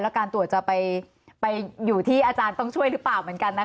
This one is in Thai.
แล้วการตรวจจะไปอยู่ที่อาจารย์ต้องช่วยหรือเปล่าเหมือนกันนะคะ